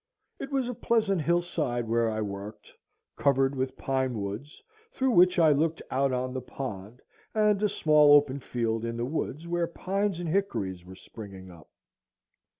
It was a pleasant hillside where I worked, covered with pine woods, through which I looked out on the pond, and a small open field in the woods where pines and hickories were springing up.